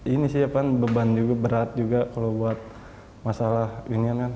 ini sih ya kan beban juga berat juga kalau buat masalah ini kan